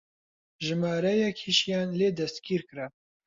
ژمارەیەکیشیان لێ دەستگیر کرا